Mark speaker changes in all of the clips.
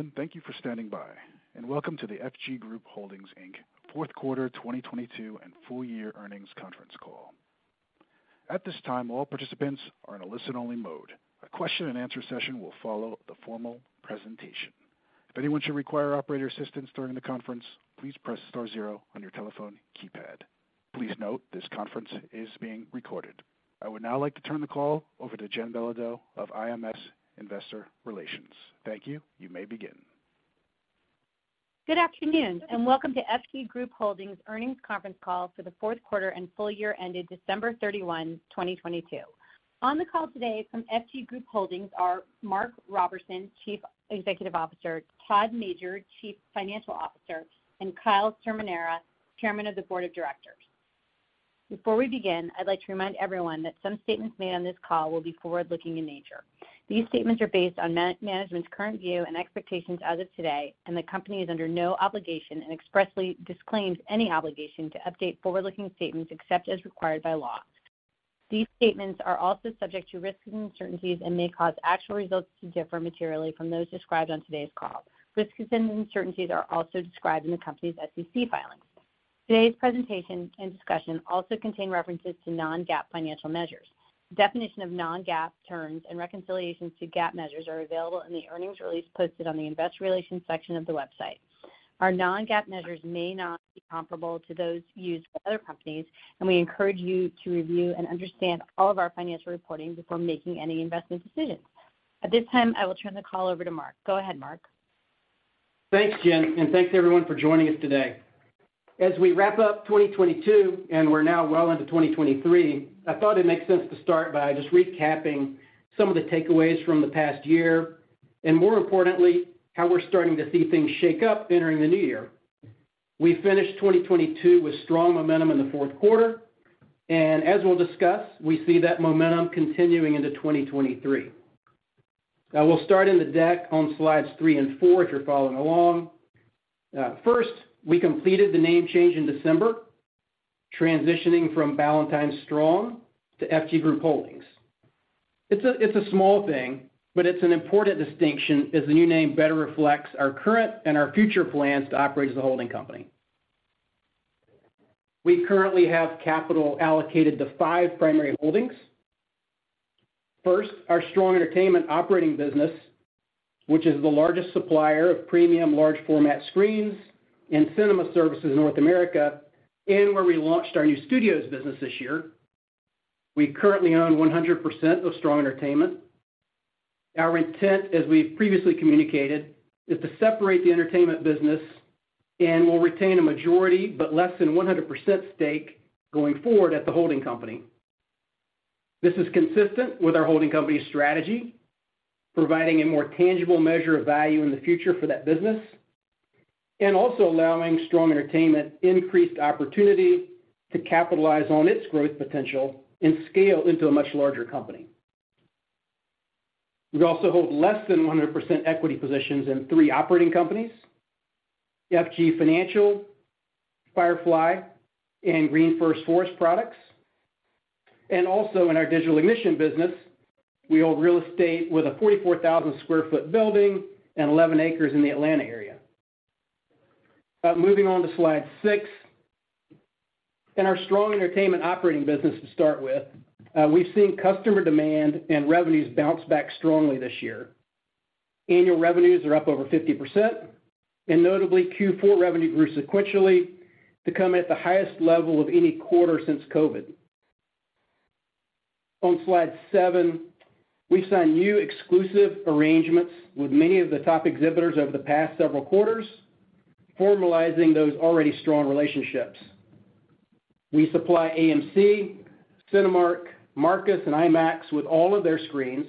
Speaker 1: Welcome, thank you for standing by and welcome to the FG Group Holdings Inc. Fourth Quarter 2022 and full year earnings conference call. At this time, all participants are in a listen-only mode. A question and answer session will follow the formal presentation. If anyone should require operator assistance during the conference, please press star zero on your telephone keypad. Please note this conference is being recorded. I would now like to turn the call over to Jen Bilodeau of IMS Investor Relations. Thank you. You may begin.
Speaker 2: Good afternoon. Welcome to FG Group Holdings earnings conference call for the fourth quarter and full year ended December 31, 2022. On the call today from FG Group Holdings are Mark Roberson, Chief Executive Officer, Todd Major, Chief Financial Officer, and Kyle Cerminara, Chairman of the Board of Directors. Before we begin, I'd like to remind everyone that some statements made on this call will be forward-looking in nature. These statements are based on management's current view and expectations as of today. The company is under no obligation and expressly disclaims any obligation to update forward-looking statements except as required by law. These statements are also subject to risks and uncertainties and may cause actual results to differ materially from those described on today's call. Risks and uncertainties are also described in the company's SEC filings. Today's presentation and discussion also contain references to non-GAAP financial measures. Definition of non-GAAP terms and reconciliations to GAAP measures are available in the investor relations section of the website. Our non-GAAP measures may not be comparable to those used by other companies, and we encourage you to review and understand all of our financial reporting before making any investment decisions. At this time, I will turn the call over to Mark. Go ahead, Mark.
Speaker 3: Thanks, Jen, and thanks everyone for joining us today. As we wrap up 2022, and we're now well into 2023, I thought it makes sense to start by just recapping some of the takeaways from the past year, and more importantly, how we're starting to see things shake up entering the new year. We finished 2022 with strong momentum in the fourth quarter, and as we'll discuss, we see that momentum continuing into 2023. We'll start in the deck on slides 3 and 4, if you're following along. First, we completed the name change in December, transitioning from Ballantyne Strong to FG Group Holdings. It's a, it's a small thing, but it's an important distinction as the new name better reflects our current and our future plans to operate as a holding company. We currently have capital allocated to five primary holdings. First, our Strong Entertainment operating business, which is the largest supplier of premium large format screens and cinema services in North America, and where we launched our new studios business this year. We currently own 100% of Strong Entertainment. Our intent, as we've previously communicated, is to separate the entertainment business and will retain a majority, but less than 100% stake going forward at the holding company. This is consistent with our holding company's strategy, providing a more tangible measure of value in the future for that business, and also allowing Strong Entertainment increased opportunity to capitalize on its growth potential and scale into a much larger company. We also hold less than 100% equity positions in 3 operating companies, FG Financial, Firefly, and GreenFirst Forest Products. Also in our Digital Ignition business, we own real estate with a 44,000 sq ft building and 11 acres in the Atlanta area. Moving on to slide 6. In our Strong Entertainment operating business to start with, we've seen customer demand and revenues bounce back strongly this year. Annual revenues are up over 50%, and notably, Q4 revenue grew sequentially to come at the highest level of any quarter since COVID. On slide 7, we've signed new exclusive arrangements with many of the top exhibitors over the past several quarters, formalizing those already strong relationships. We supply AMC, Cinemark, Marcus, and IMAX with all of their screens,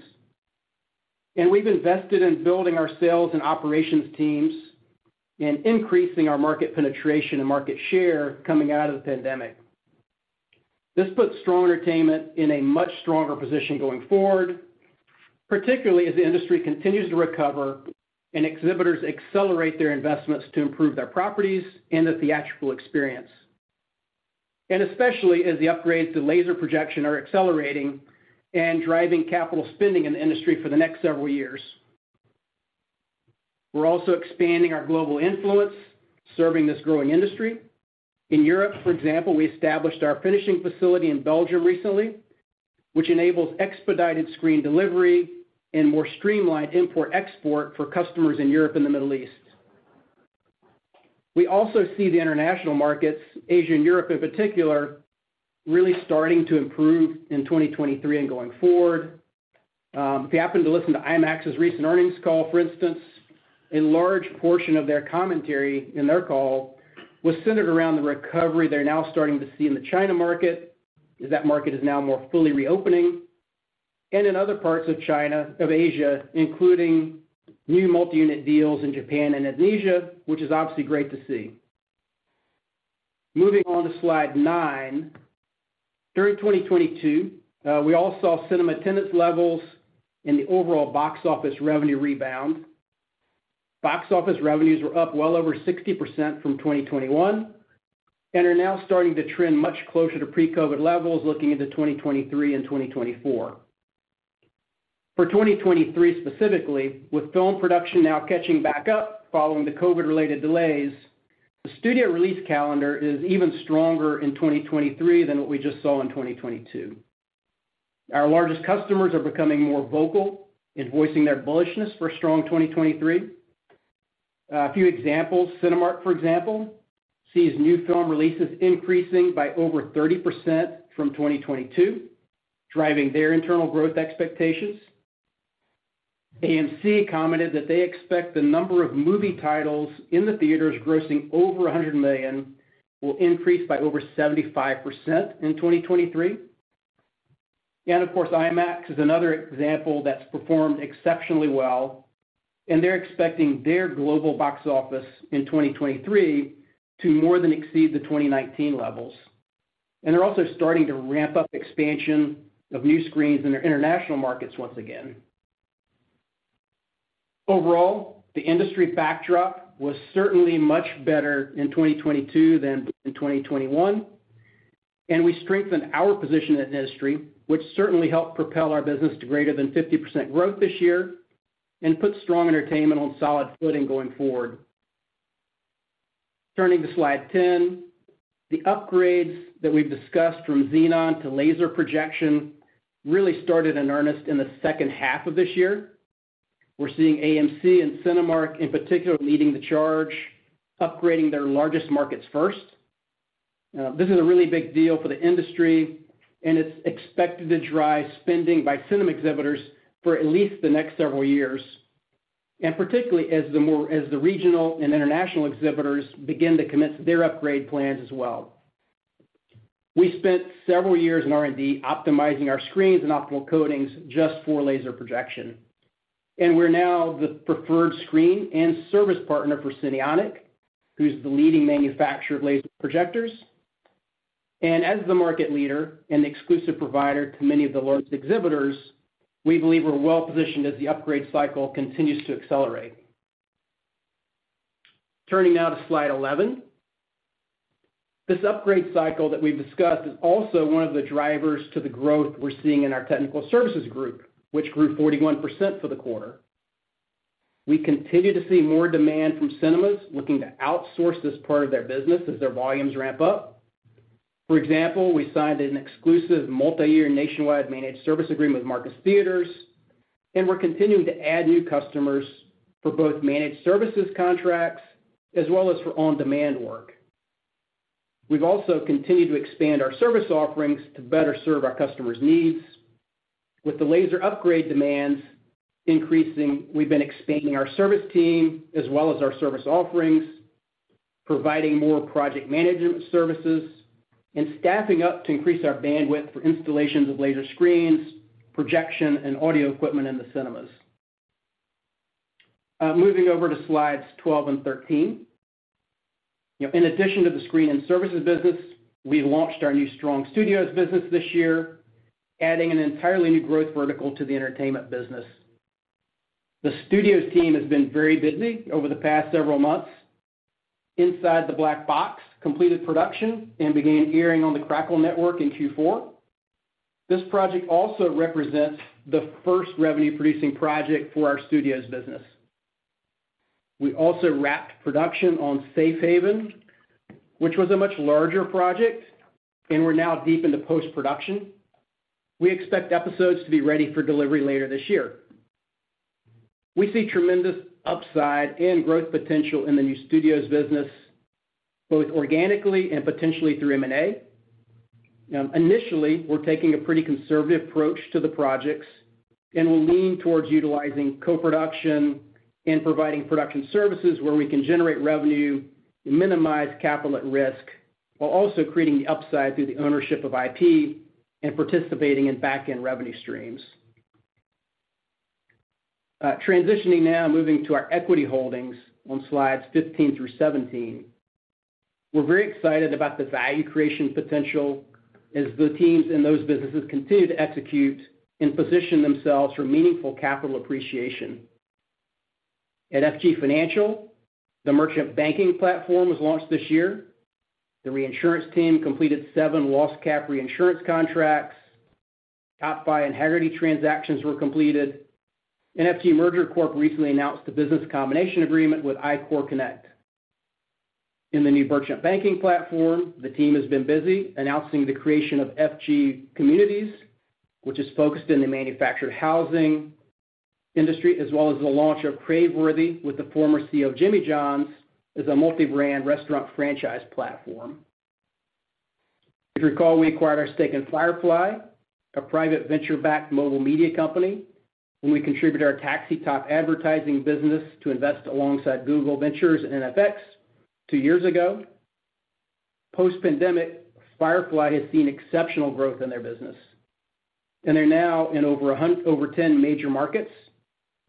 Speaker 3: and we've invested in building our sales and operations teams and increasing our market penetration and market share coming out of the pandemic. This puts Strong Entertainment in a much stronger position going forward, particularly as the industry continues to recover and exhibitors accelerate their investments to improve their properties and the theatrical experience. Especially as the upgrades to laser projection are accelerating and driving capital spending in the industry for the next several years. We're also expanding our global influence, serving this growing industry. In Europe, for example, we established our finishing facility in Belgium recently, which enables expedited screen delivery and more streamlined import/export for customers in Europe and the Middle East. We also see the international markets, Asia and Europe in particular, really starting to improve in 2023 and going forward. If you happen to listen to IMAX's recent earnings call, for instance, a large portion of their commentary in their call was centered around the recovery they're now starting to see in the China market, as that market is now more fully reopening, and in other parts of China, of Asia, including new multi-unit deals in Japan and Indonesia, which is obviously great to see. Moving on to slide 9. During 2022, we all saw cinema attendance levels in the overall box office revenue rebound. Box office revenues were up well over 60% from 2021. Are now starting to trend much closer to pre-COVID levels looking into 2023 and 2024. For 2023 specifically, with film production now catching back up following the COVID-related delays, the studio release calendar is even stronger in 2023 than what we just saw in 2022. Our largest customers are becoming more vocal in voicing their bullishness for a strong 2023. A few examples, Cinemark, for example, sees new film releases increasing by over 30% from 2022, driving their internal growth expectations. AMC commented that they expect the number of movie titles in the theaters grossing over a $100 million will increase by over 75% in 2023. Of course, IMAX is another example that's performed exceptionally well, and they're expecting their global box office in 2023 to more than exceed the 2019 levels. They're also starting to ramp up expansion of new screens in their international markets once again. Overall, the industry backdrop was certainly much better in 2022 than in 2021, and we strengthened our position in the industry, which certainly helped propel our business to greater than 50% growth this year and put Strong Entertainment on solid footing going forward. Turning to slide 10. The upgrades that we've discussed from xenon to laser projection really started in earnest in the second half of this year. We're seeing AMC and Cinemark in particular leading the charge, upgrading their largest markets first. This is a really big deal for the industry, and it's expected to drive spending by cinema exhibitors for at least the next several years, and particularly as the regional and international exhibitors begin to commence their upgrade plans as well. We spent several years in R&D optimizing our screens and optimal coatings just for laser projection. We're now the preferred screen and service partner for Cinionic, who's the leading manufacturer of laser projectors. As the market leader and exclusive provider to many of the largest exhibitors, we believe we're well positioned as the upgrade cycle continues to accelerate. Turning now to slide 11. This upgrade cycle that we've discussed is also one of the drivers to the growth we're seeing in our technical services group, which grew 41% for the quarter. We continue to see more demand from cinemas looking to outsource this part of their business as their volumes ramp up. For example, we signed an exclusive multiyear nationwide managed service agreement with Marcus Theatres, and we're continuing to add new customers for both managed services contracts as well as for on-demand work. We've also continued to expand our service offerings to better serve our customers' needs. With the laser upgrade demands increasing, we've been expanding our service team as well as our service offerings, providing more project management services, and staffing up to increase our bandwidth for installations of laser screens, projection, and audio equipment in the cinemas. Moving over to slides 12 and 13. In addition to the screen and services business, we launched our new Strong Studios business this year, adding an entirely new growth vertical to the entertainment business. The Studios team has been very busy over the past several months. Inside the Black Box completed production and began airing on the Crackle network in Q4. This project also represents the first revenue-producing project for our Studios business. We also wrapped production on Safe Haven, which was a much larger project, and we're now deep into post-production. We expect episodes to be ready for delivery later this year. We see tremendous upside and growth potential in the new Studios business, both organically and potentially through M&A. Initially, we're taking a pretty conservative approach to the projects. We'll lean towards utilizing co-production and providing production services where we can generate revenue and minimize capital at risk, while also creating the upside through the ownership of IP and participating in back-end revenue streams. Transitioning now, moving to our equity holdings on slides 15 through 17. We're very excited about the value creation potential as the teams in those businesses continue to execute and position themselves for meaningful capital appreciation. At FG Financial, the merchant banking platform was launched this year. The reinsurance team completed 7 loss cap reinsurance contracts. Top Buy and Hagerty transactions were completed. FG Merger Corp. recently announced a business combination agreement with iCoreConnect. In the new merchant banking platform, the team has been busy announcing the creation of FG Communities, which is focused in the manufactured housing industry, as well as the launch of Craveworthy with the former CEO of Jimmy John's as a multi-brand restaurant franchise platform. If you recall, we acquired our stake in Firefly, a private venture-backed mobile media company, when we contributed our Taxi Top Advertising business to invest alongside Google Ventures and FX two years ago. Post-pandemic, Firefly has seen exceptional growth in their business, and they're now in over 10 major markets.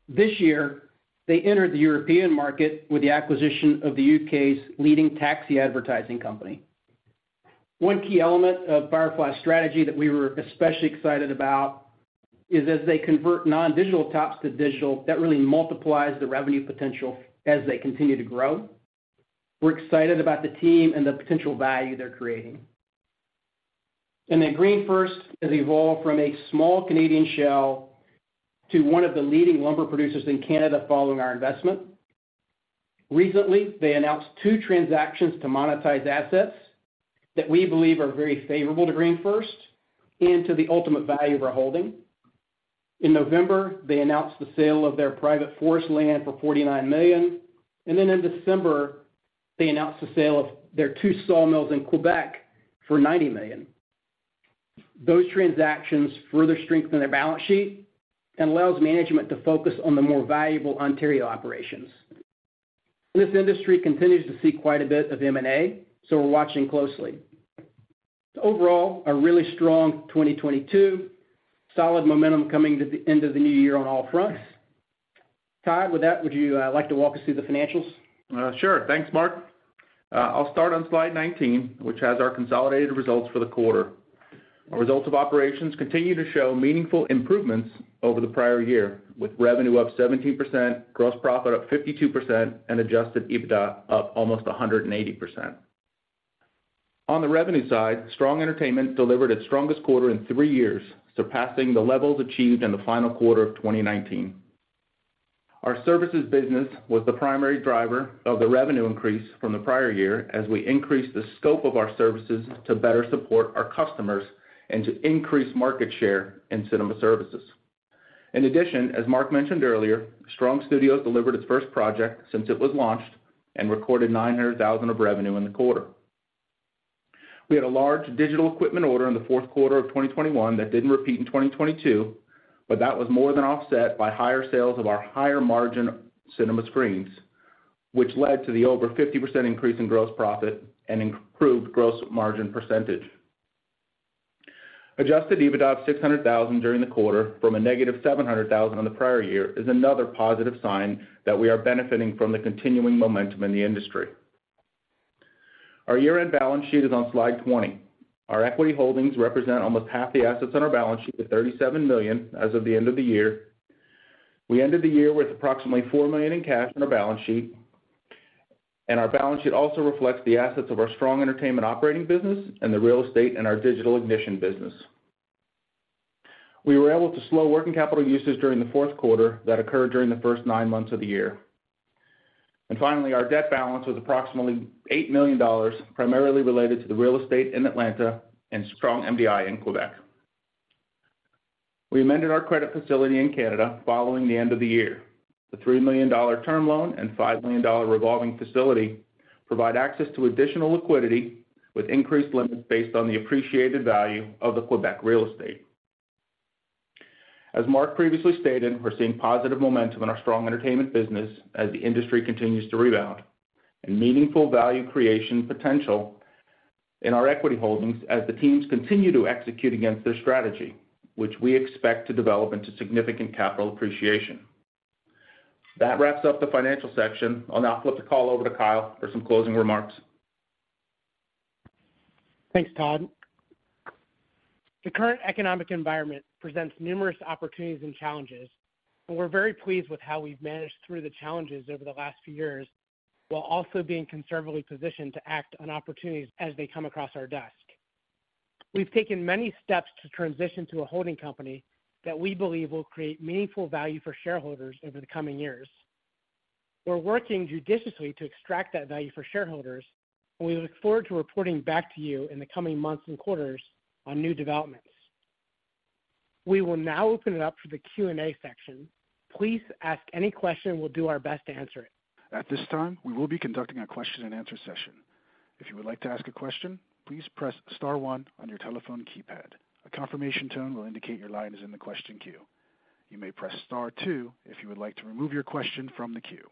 Speaker 3: This year, they entered the European market with the acquisition of the U.K.'s leading taxi advertising company. One key element of Firefly's strategy that we were especially excited about is as they convert non-digital tops to digital, that really multiplies the revenue potential as they continue to grow. We're excited about the team and the potential value they're creating. GreenFirst has evolved from a small Canadian shell to one of the leading lumber producers in Canada following our investment. Recently, they announced two transactions to monetize assets that we believe are very favorable to GreenFirst and to the ultimate value of our holding. In November, they announced the sale of their private forest land for 49 million. In December, they announced the sale of their two sawmills in Quebec for 90 million. Those transactions further strengthen their balance sheet and allows management to focus on the more valuable Ontario operations. This industry continues to see quite a bit of M&A. We're watching closely. Overall, a really strong 2022, solid momentum coming to the end of the new year on all fronts. Todd, with that, would you like to walk us through the financials?
Speaker 4: Sure. Thanks, Mark. I'll start on slide 19, which has our consolidated results for the quarter. Our results of operations continue to show meaningful improvements over the prior year, with revenue up 17%, gross profit up 52%, and adjusted EBITDA up almost 180%. On the revenue side, Strong Entertainment delivered its strongest quarter in three years, surpassing the levels achieved in the final quarter of 2019. Our services business was the primary driver of the revenue increase from the prior year as we increased the scope of our services to better support our customers and to increase market share in cinema services. In addition, as Mark mentioned earlier, Strong Studios delivered its first project since it was launched and recorded $900,000 of revenue in the quarter. We had a large digital equipment order in the fourth quarter of 2021 that didn't repeat in 2022. That was more than offset by higher sales of our higher-margin cinema screens, which led to the over 50% increase in gross profit and improved gross margin percentage. adjusted EBITDA of $600,000 during the quarter from a negative $700,000 on the prior year is another positive sign that we are benefiting from the continuing momentum in the industry. Our year-end balance sheet is on slide 20. Our equity holdings represent almost half the assets on our balance sheet at $37 million as of the end of the year. We ended the year with approximately $4 million in cash on our balance sheet, and our balance sheet also reflects the assets of our Strong Global Entertainment operating business and the real estate in our Digital Ignition business. We were able to slow working capital usage during the fourth quarter that occurred during the first nine months of the year. Finally, our debt balance was approximately $8 million, primarily related to the real estate in Atlanta and Strong/MDI in Quebec. We amended our credit facility in Canada following the end of the year. The $3 million term loan and $5 million revolving facility provide access to additional liquidity with increased limits based on the appreciated value of the Quebec real estate. As Mark previously stated, we're seeing positive momentum in our Strong Entertainment business as the industry continues to rebound, and meaningful value creation potential in our equity holdings as the teams continue to execute against their strategy, which we expect to develop into significant capital appreciation. That wraps up the financial section. I'll now flip the call over to Kyle for some closing remarks.
Speaker 5: Thanks, Todd. The current economic environment presents numerous opportunities and challenges, we're very pleased with how we've managed through the challenges over the last few years, while also being conservatively positioned to act on opportunities as they come across our desk. We've taken many steps to transition to a holding company that we believe will create meaningful value for shareholders over the coming years. We're working judiciously to extract that value for shareholders, we look forward to reporting back to you in the coming months and quarters on new developments. We will now open it up for the Q&A section. Please ask any question, we'll do our best to answer it.
Speaker 1: At this time, we will be conducting a question-and-answer session. If you would like to ask a question, please press star one on your telephone keypad. A confirmation tone will indicate your line is in the question queue. You may press star two if you would like to remove your question from the queue.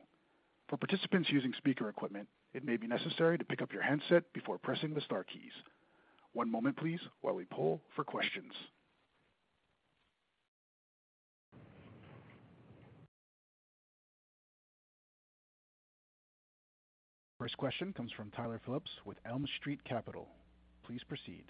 Speaker 1: For participants using speaker equipment, it may be necessary to pick up your handset before pressing the star keys. One moment, please, while we poll for questions. First question comes from Tyler Phillips with Elm Street Capital. Please proceed.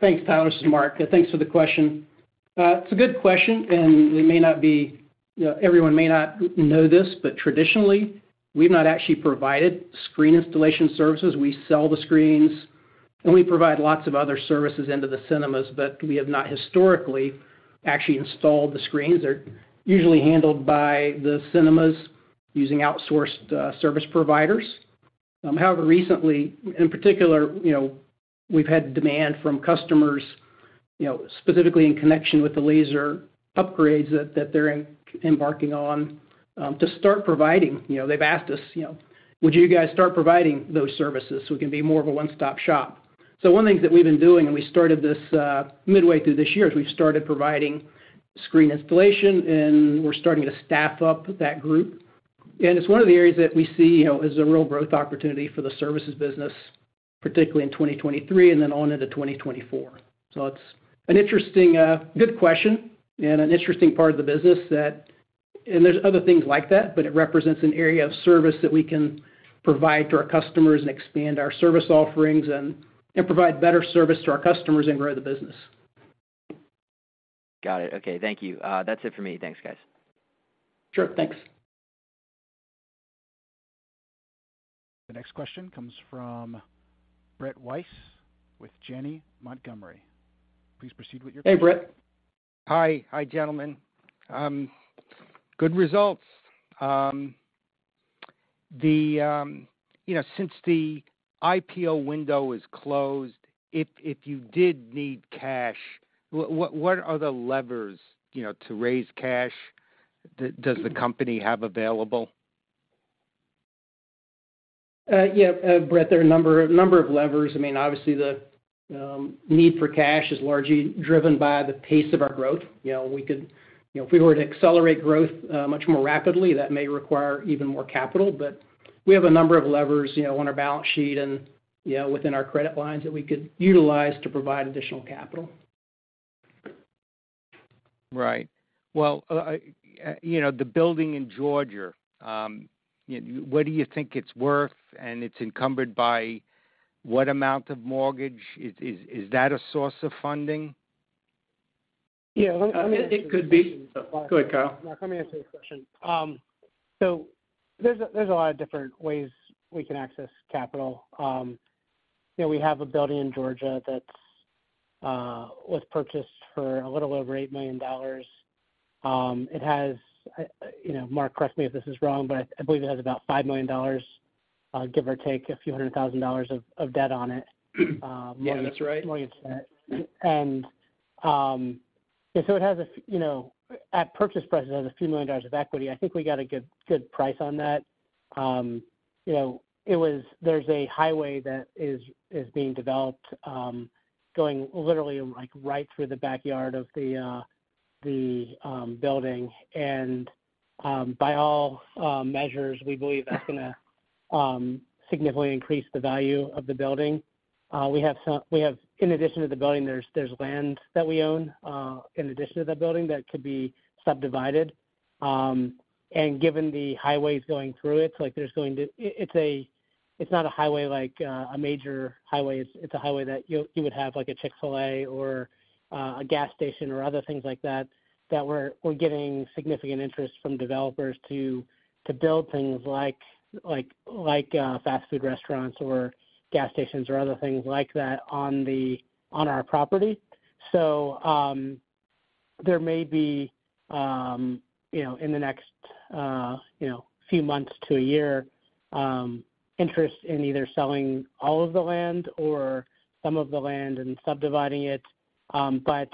Speaker 3: Thanks, Tyler. This is Mark. Thanks for the question. It's a good question. We may not be, you know, everyone may not know this, but traditionally, we've not actually provided screen installation services. We sell the screens. We provide lots of other services into the cinemas, but we have not historically actually installed the screens. They're usually handled by the cinemas using outsourced service providers. However, recently, in particular, you know, we've had demand from customers, you know, specifically in connection with the laser upgrades that they're embarking on to start providing. You know, they've asked us, you know, "Would you guys start providing those services so we can be more of a one-stop-shop?" One of the things that we've been doing, and we started this, midway through this year, is we've started providing screen installation, and we're starting to staff up that group. It's one of the areas that we see, you know, as a real growth opportunity for the services business, particularly in 2023 and then on into 2024. It's an interesting, good question and an interesting part of the business that there's other things like that, but it represents an area of service that we can provide to our customers and expand our service offerings and provide better service to our customers and grow the business.
Speaker 6: Got it. Okay. Thank you. That's it for me. Thanks, guys.
Speaker 3: Sure. Thanks.
Speaker 1: The next question comes from Brett Reiss with Janney Montgomery Scott. Please proceed with your question.
Speaker 5: Hey, Brett.
Speaker 7: Hi. Hi, gentlemen. Good results. The, you know, since the IPO window is closed, if you did need cash, what are the levers, you know, to raise cash does the company have available?
Speaker 3: Yeah, Brett, there are a number of levers. I mean, obviously the need for cash is largely driven by the pace of our growth. You know, if we were to accelerate growth much more rapidly, that may require even more capital. We have a number of levers, you know, on our balance sheet and, you know, within our credit lines that we could utilize to provide additional capital.
Speaker 7: Right. Well, you know, the building in Georgia, what do you think it's worth and it's encumbered by what amount of mortgage? Is that a source of funding?
Speaker 5: Yeah. Let me answer the question.
Speaker 3: It could be. Go ahead, Kyle.
Speaker 5: Mark, let me answer the question. There's a lot of different ways we can access capital. You know, we have a building in Georgia that's, was purchased for a little over $8 million. It has, you know, Mark, correct me if this is wrong, but I believe it has about $5 million, give or take a few hundred thousand dollars of debt on it.
Speaker 3: Yeah, that's right.
Speaker 5: Mortgage debt. So it has a you know, at purchase price, it has a few million dollars of equity. I think we got a good price on that. You know, there's a highway that is being developed, going literally, like, right through the backyard of the building. By all measures, we believe that's gonna significantly increase the value of the building. In addition to the building, there's land that we own in addition to that building that could be subdivided. Given the highways going through it, like, it's not a highway like a major highway. It's a highway that you would have like a Chick-fil-A or a gas station or other things like that we're getting significant interest from developers to build things like fast food restaurants or gas stations or other things like that on our property. There may be, you know, in the next, you know, few months to a year, interest in either selling all of the land or some of the land and subdividing it. But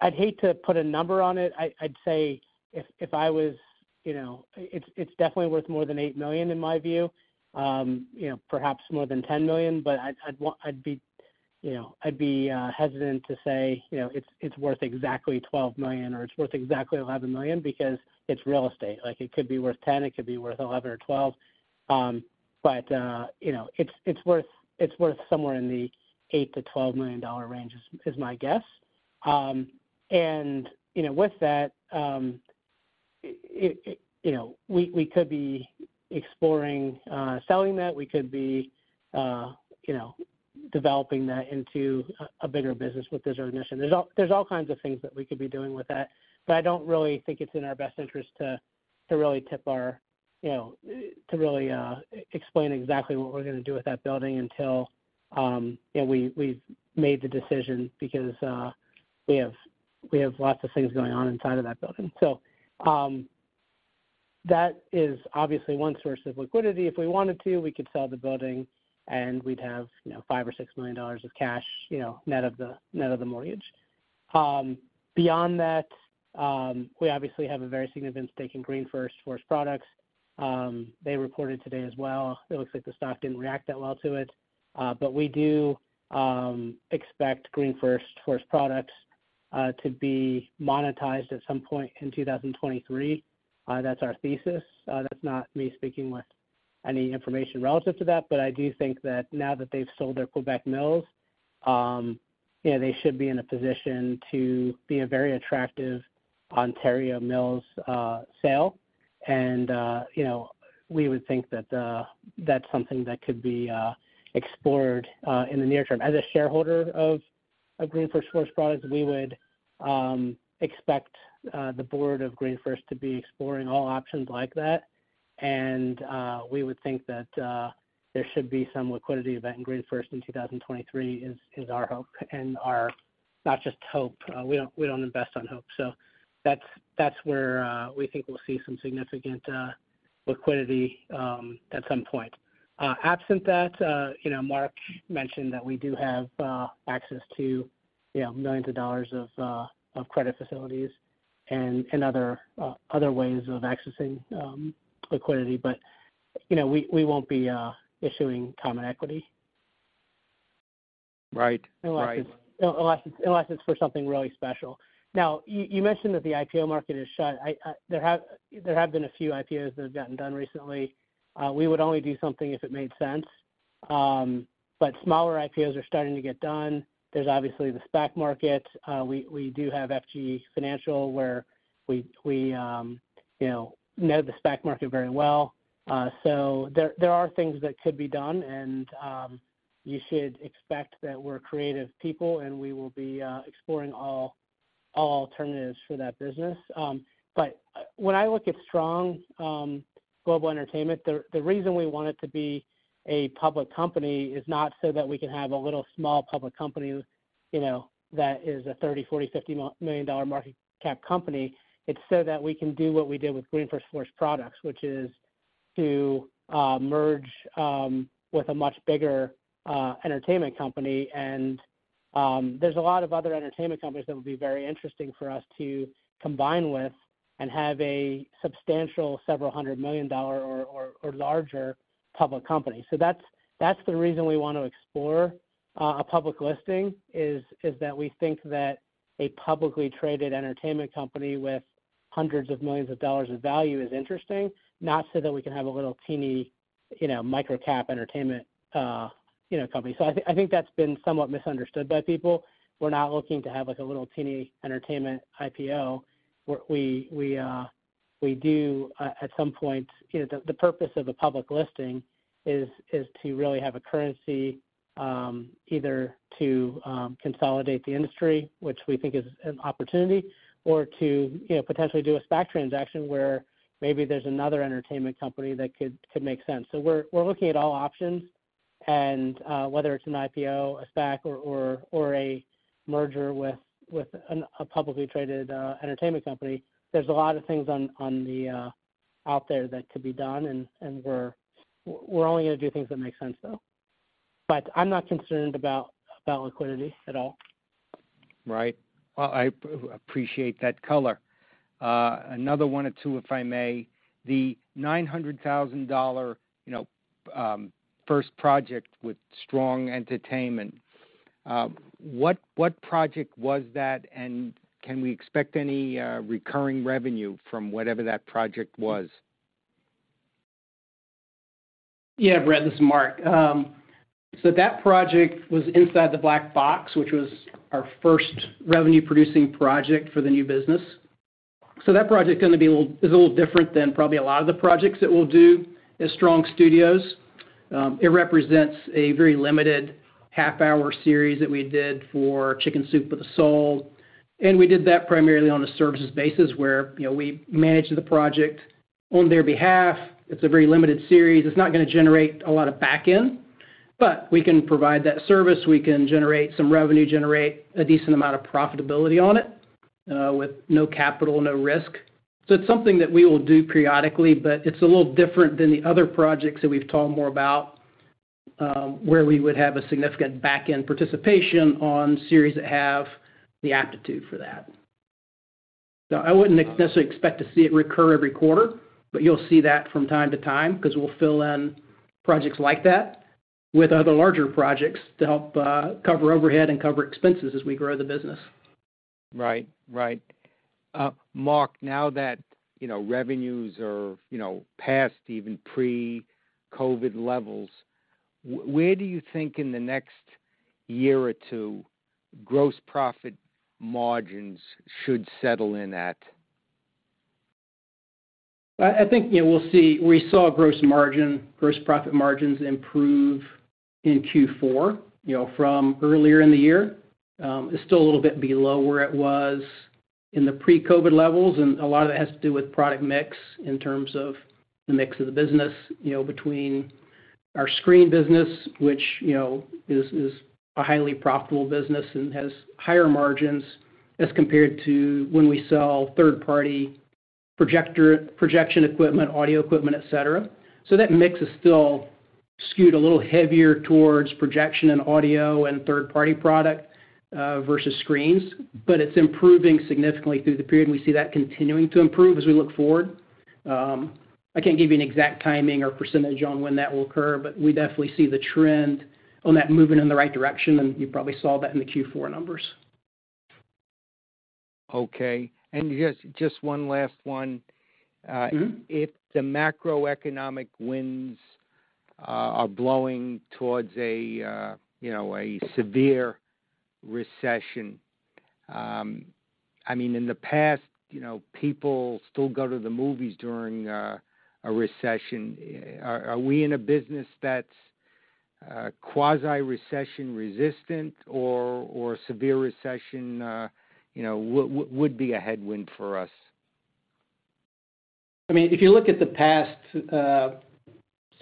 Speaker 5: I'd hate to put a number on it. I'd say if I was, you know. It's, it's definitely worth more than $8 million, in my view, you know, perhaps more than $10 million. I'd be, you know, hesitant to say, you know, it's worth exactly $12 million or it's worth exactly $11 million because it's real estate. Like, it could be worth 10, it could be worth 11 or 12. You know, it's worth somewhere in the $8 million-$12 million range is my guess. You know, with that, it, you know, we could be exploring selling that. We could be, you know, developing that into a bigger business with Digital Ignition. There's all kinds of things that we could be doing with that. I don't really think it's in our best interest to really tip our, you know, to really explain exactly what we're gonna do with that building until, you know, we've made the decision because we have lots of things going on inside of that building. That is obviously one source of liquidity. If we wanted to, we could sell the building and we'd have, you know, $5 million-$6 million of cash, you know, net of the net of the mortgage. Beyond that, we obviously have a very significant stake in GreenFirst Forest Products. They reported today as well. It looks like the stock didn't react that well to it. We do expect GreenFirst Forest Products to be monetized at some point in 2023. That's our thesis. That's not me speaking with any information relative to that. I do think that now that they've sold their Quebec mills, you know, they should be in a position to be a very attractive Ontario mills sale. You know, we would think that that's something that could be explored in the near term. As a shareholder of GreenFirst Forest Products, we would expect the board of GreenFirst to be exploring all options like that. We would think that there should be some liquidity event in GreenFirst in 2023 is our hope and not just hope. We don't invest on hope. That's where we think we'll see some significant liquidity at some point. Absent that, you know, Mark mentioned that we do have access to, you know, millions of dollars of credit facilities and other ways of accessing liquidity. You know, we won't be issuing common equity.
Speaker 7: Right, right.
Speaker 5: Unless it's for something really special. You mentioned that the IPO market is shut. There have been a few IPOs that have gotten done recently. We would only do something if it made sense. Smaller IPOs are starting to get done. There's obviously the SPAC market. We do have FG Financial where we, you know the SPAC market very well. There are things that could be done and you should expect that we're creative people, and we will be exploring all alternatives for that business. When I look at Strong Global Entertainment, the reason we want it to be a public company is not so that we can have a little small public company, you know, that is a $30 million, $40 million, $50 million market cap company. It's so that we can do what we did with GreenFirst Forest Products, which is to merge with a much bigger entertainment company. There's a lot of other entertainment companies that would be very interesting for us to combine with and have a substantial several hundred million dollar or larger public company. That's the reason we want to explore a public listing is that we think that a publicly traded entertainment company with hundreds of millions of dollars of value is interesting, not so that we can have a little teeny, you know, micro-cap entertainment, you know, company. I think that's been somewhat misunderstood by people. We're not looking to have, like, a little teeny entertainment IPO. What we do at some point. You know, the purpose of a public listing is to really have a currency, either to consolidate the industry, which we think is an opportunity, or to, you know, potentially do a SPAC transaction where maybe there's another entertainment company that could make sense. We're looking at all options and, whether it's an IPO, a SPAC or a merger with an, a publicly traded, entertainment company, there's a lot of things on the out there that could be done and we're only gonna do things that make sense though. I'm not concerned about liquidity at all.
Speaker 7: Right. Well, I appreciate that color. Another one or two, if I may. The $900,000, you know, first project with Strong Entertainment, what project was that and can we expect any recurring revenue from whatever that project was?
Speaker 3: Yeah, Brett, this is Mark. That project was Inside the Black Box, which was our first revenue-producing project for the new business. That project's gonna be a little different than probably a lot of the projects that we'll do as Strong Studios. It represents a very limited half-hour series that we did for Chicken Soup for the Soul, and we did that primarily on a services basis, where, you know, we managed the project on their behalf. It's a very limited series. It's not gonna generate a lot of back end, but we can provide that service. We can generate some revenue, generate a decent amount of profitability on it, with no capital, no risk. It's something that we will do periodically, but it's a little different than the other projects that we've talked more about, where we would have a significant back-end participation on series that have the aptitude for that. I wouldn't necessarily expect to see it recur every quarter, but you'll see that from time to time, 'cause we'll fill in projects like that with other larger projects to help cover overhead and cover expenses as we grow the business.
Speaker 7: Right. Right. Mark, now that, you know, revenues are, you know, past even pre-COVID levels, where do you think in the next one or two gross profit margins should settle in at?
Speaker 3: I think, you know, we'll see. We saw gross margin, gross profit margins improve in Q4, you know, from earlier in the year. It's still a little bit below where it was in the pre-COVID levels. A lot of it has to do with product mix in terms of the mix of the business, you know, between our screen business, which, you know, is a highly profitable business and has higher margins as compared to when we sell third-party projector, projection equipment, audio equipment, et cetera. That mix is still skewed a little heavier towards projection and audio and third-party product versus screens. It's improving significantly through the period. We see that continuing to improve as we look forward. I can't give you an exact timing or % on when that will occur, but we definitely see the trend on that moving in the right direction, and you probably saw that in the Q4 numbers.
Speaker 7: Okay. just one last one.
Speaker 3: Mm-hmm.
Speaker 7: If the macroeconomic winds are blowing towards a, you know, a severe recession, I mean, in the past, you know, people still go to the movies during a recession. Are, are we in a business that's quasi-recession resistant or severe recession, you know, would be a headwind for us?
Speaker 3: I mean, if you look at the past,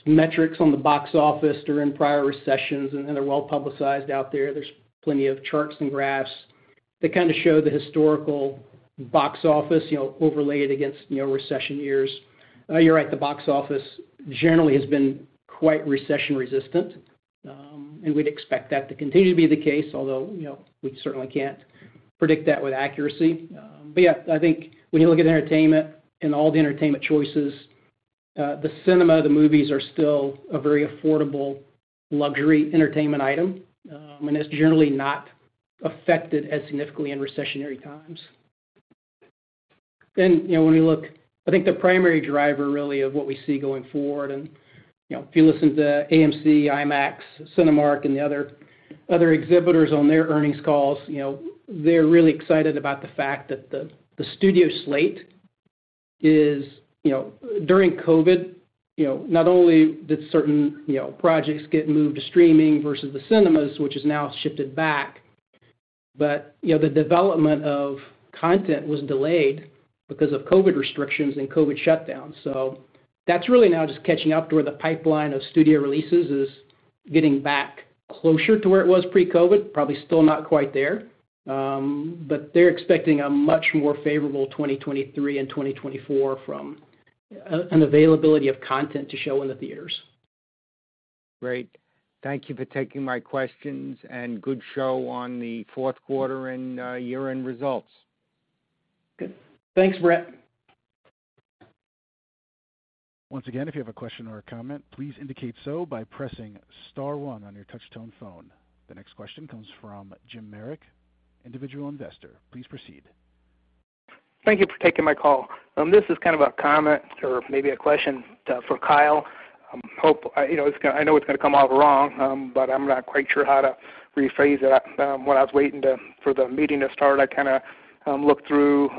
Speaker 3: metrics on the box office during prior recessions, and they're well-publicized out there's plenty of charts and graphs that kind of show the historical box office, you know, overlaid against, you know, recession years. You're right, the box office generally has been quite recession resistant, and we'd expect that to continue to be the case, although, you know, we certainly can't predict that with accuracy. Yeah, I think when you look at entertainment and all the entertainment choices... The cinema, the movies are still a very affordable luxury entertainment item, and it's generally not affected as significantly in recessionary times. You know, I think the primary driver really of what we see going forward, and, you know, if you listen to AMC, IMAX, Cinemark, and the other exhibitors on their earnings calls, you know, they're really excited about the fact that the studio slate is, you know, during COVID, you know, not only did certain, you know, projects get moved to streaming versus the cinemas, which has now shifted back, but, you know, the development of content was delayed because of COVID restrictions and COVID shutdowns. That's really now just catching up to where the pipeline of studio releases is getting back closer to where it was pre-COVID, probably still not quite there. They're expecting a much more favorable 2023 and 2024 from an availability of content to show in the theaters.
Speaker 7: Great. Thank you for taking my questions, and good show on the fourth quarter and year-end results.
Speaker 3: Good. Thanks, Brett.
Speaker 1: Once again, if you have a question or a comment, please indicate so by pressing star one on your touch tone phone. The next question comes from Jim Merrick, individual investor. Please proceed.
Speaker 6: Thank you for taking my call. This is kind of a comment or maybe a question for Kyle. Hope, you know, it's gonna... I know it's gonna come out wrong, but I'm not quite sure how to rephrase it. When I was waiting for the meeting to start, I kinda looked through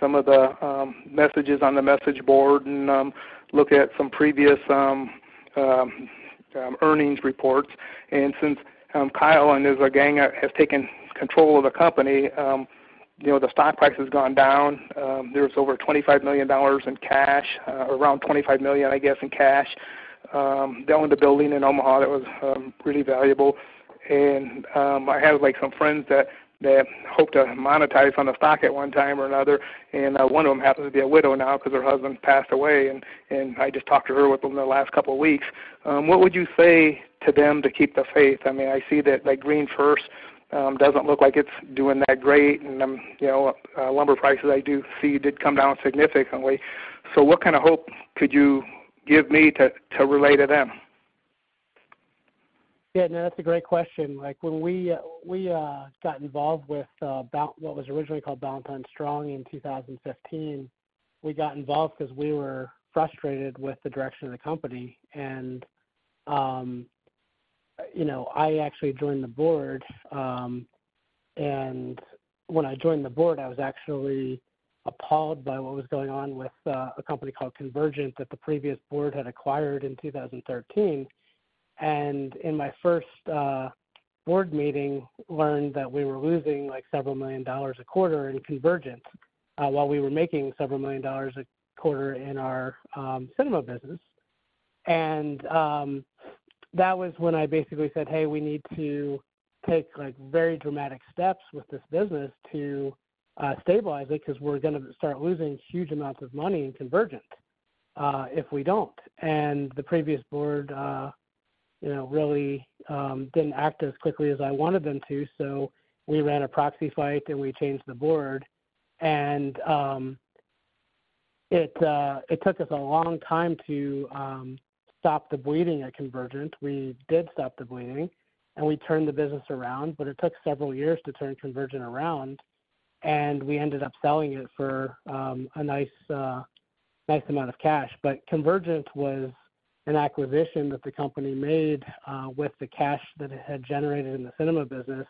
Speaker 6: some of the messages on the message board and looked at some previous earnings reports. Since Kyle and his gang have taken control of the company, you know, the stock price has gone down. There was over $25 million in cash, around $25 million, I guess, in cash. They owned a building in Omaha that was pretty valuable. I have, like, some friends that hope to monetize on the stock at one time or another, and one of them happens to be a widow now ’cause her husband passed away, and I just talked to her within the last couple of weeks. What would you say to them to keep the faith? I mean, I see that GreenFirst doesn't look like it's doing that great, and, you know, lumber prices I do see did come down significantly. What kind of hope could you give me to relay to them?
Speaker 5: Yeah, no, that's a great question. Like, when we got involved with what was originally called Ballantyne Strong in 2015, we got involved 'cause we were frustrated with the direction of the company. You know, I actually joined the board, and when I joined the board, I was actually appalled by what was going on with a company called Convergint that the previous board had acquired in 2013. In my first board meeting, learned that we were losing, like, several million dollars a quarter in Convergint, while we were making several million dollars a quarter in our cinema business. That was when I basically said, "Hey, we need to take, like, very dramatic steps with this business to stabilize it 'cause we're gonna start losing huge amounts of money in Convergint if we don't." The previous board, you know, really didn't act as quickly as I wanted them to, so we ran a proxy fight, and we changed the board. It took us a long time to stop the bleeding at Convergint. We did stop the bleeding, and we turned the business around, but it took several years to turn Convergint around, and we ended up selling it for a nice amount of cash. Convergint was an acquisition that the company made with the cash that it had generated in the cinema business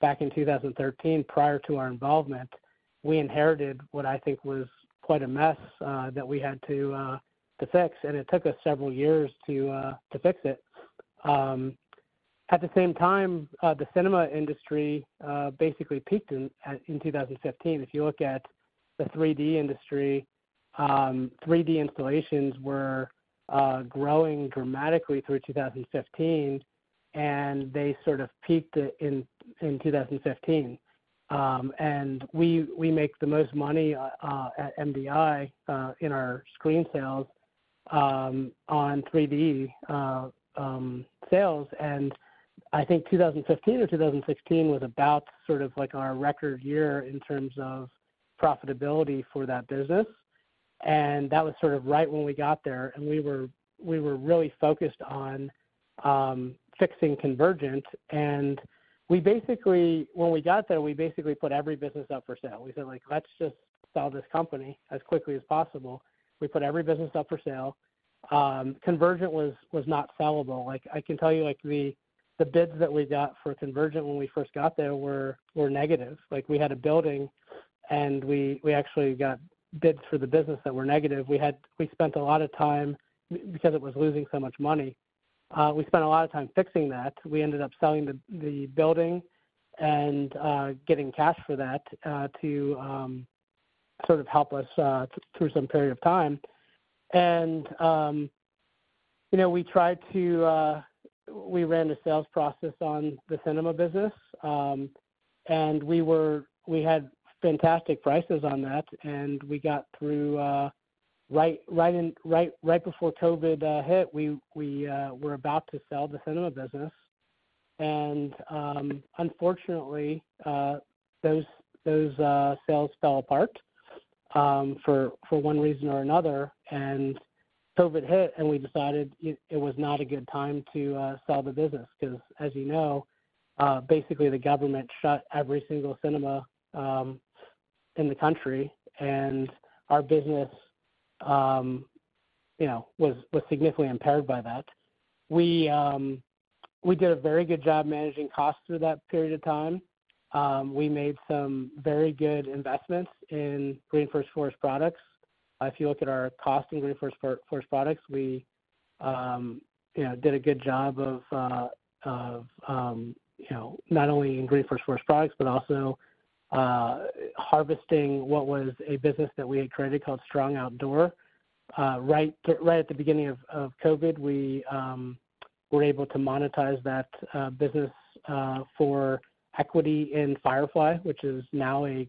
Speaker 5: back in 2013 prior to our involvement. We inherited what I think was quite a mess that we had to fix, and it took us several years to fix it. At the same time, the cinema industry basically peaked in 2015. If you look at the 3D industry, 3D installations were growing dramatically through 2015, and they sort of peaked it in 2015. We make the most money at MDI in our screen sales on 3D sales. I think 2015 or 2016 was about sort of like our record year in terms of profitability for that business. That was sort of right when we got there, and we were really focused on fixing Convergint. We basically, when we got there, we basically put every business up for sale. We said, like, "Let's just sell this company as quickly as possible." We put every business up for sale. Convergint was not sellable. I can tell you the bids that we got for Convergint when we first got there were negative. We had a building, and we actually got bids for the business that were negative. We spent a lot of time, because it was losing so much money, we spent a lot of time fixing that. We ended up selling the building and, getting cash for that, to, sort of help us, through some period of time. You know, We ran a sales process on the cinema business, and we had fantastic prices on that, and we got through. Right in, right before COVID hit, we were about to sell the cinema business. Unfortunately, those sales fell apart for one reason or another, and COVID hit, and we decided it was not a good time to sell the business 'cause, as you know, basically the government shut every single cinema in the country and our business, you know, was significantly impaired by that. We did a very good job managing costs through that period of time. We made some very good investments in GreenFirst Forest Products. If you look at our cost in GreenFirst Forest Products, we, you know, did a good job of, you know, not only in GreenFirst Forest Products, but also, harvesting what was a business that we had created called Strong Outdoor. Right at the beginning of COVID, we were able to monetize that business for equity in Firefly, which is now a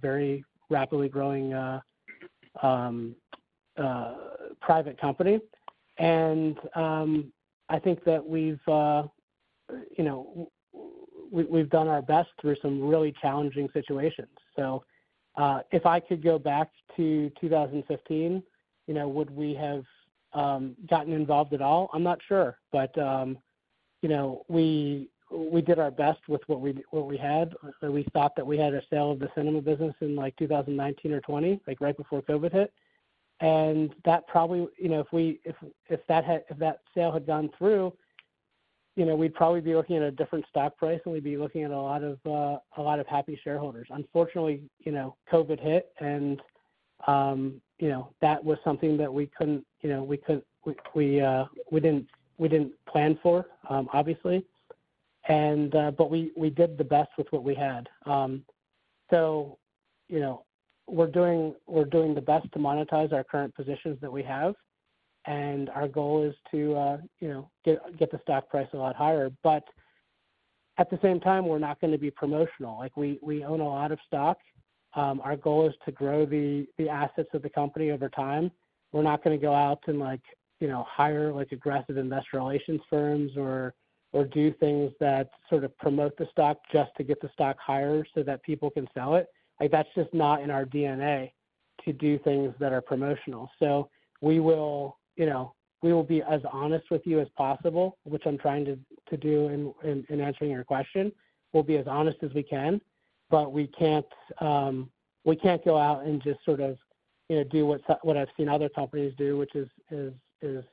Speaker 5: very rapidly growing private company. I think that we've, you know, we've done our best through some really challenging situations. If I could go back to 2015, you know, would we have gotten involved at all? I'm not sure. You know, we did our best with what we had. We thought that we had a sale of the cinema business in like 2019 or 2020, like right before COVID hit, and that probably. You know, if that sale had gone through, you know, we'd probably be looking at a different stock price, and we'd be looking at a lot of happy shareholders. Unfortunately, you know, COVID hit and, you know, that was something that we couldn't, you know, we didn't plan for, obviously. But we did the best with what we had. You know, we're doing the best to monetize our current positions that we have, and our goal is to, you know, get the stock price a lot higher. At the same time, we're not gonna be promotional. Like, we own a lot of stock. Our goal is to grow the assets of the company over time. We're not gonna go out and like, you know, hire like aggressive investor relations firms or do things that sort of promote the stock just to get the stock higher so that people can sell it. Like, that's just not in our DNA to do things that are promotional. We will, you know, we will be as honest with you as possible, which I'm trying to do in, in answering your question. We'll be as honest as we can, but we can't, we can't go out and just sort of, you know, do what what I've seen other companies do, which is, is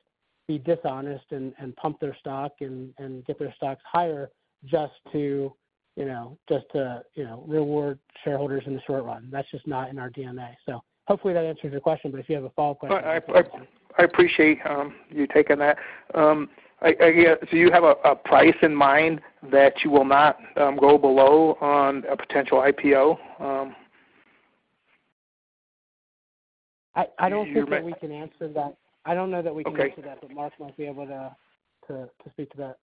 Speaker 5: be dishonest and pump their stock and get their stocks higher just to, you know, just to, you know, reward shareholders in the short run. That's just not in our DNA. Hopefully that answers your question, but if you have a follow-up question...
Speaker 6: I appreciate you taking that. I have a price in mind that you will not go below on a potential IPO?
Speaker 5: I don't think that we can answer that. I don't know that we can get to that.
Speaker 6: Okay.
Speaker 5: Mark might be able to speak to that.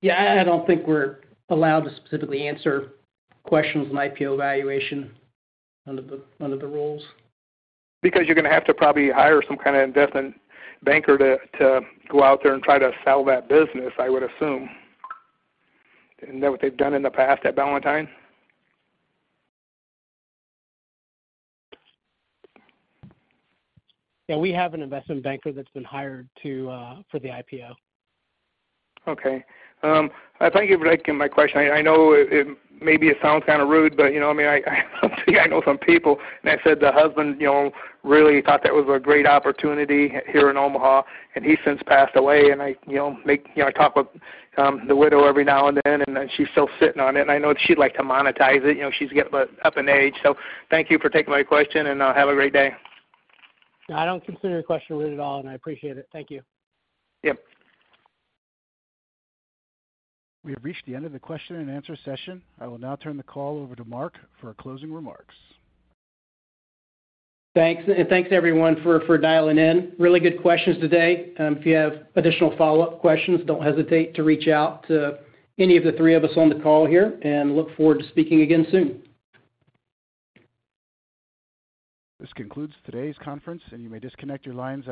Speaker 3: Yeah. I don't think we're allowed to specifically answer questions on IPO valuation under the rules.
Speaker 6: You're gonna have to probably hire some kinda investment banker to go out there and try to sell that business, I would assume. Isn't that what they've done in the past at Ballantyne?
Speaker 5: Yeah. We have an investment banker that's been hired to for the IPO.
Speaker 6: Okay. Thank you for taking my question. I know it maybe it sounds kinda rude, you know, I mean, I obviously I know some people. I said the husband, you know, really thought that was a great opportunity here in Omaha. He since passed away. You know, I talk with the widow every now and then. She's still sitting on it. I know she'd like to monetize it. You know, she's getting up in age. Thank you for taking my question. Have a great day.
Speaker 5: No, I don't consider your question rude at all, and I appreciate it. Thank you.
Speaker 6: Yep.
Speaker 1: We have reached the end of the question and answer session. I will now turn the call over to Mark for closing remarks.
Speaker 3: Thanks. Thanks everyone for dialing in. Really good questions today. If you have additional follow-up questions, don't hesitate to reach out to any of the three of us on the call here. Look forward to speaking again soon.
Speaker 1: This concludes today's conference, and you may disconnect your lines at this time.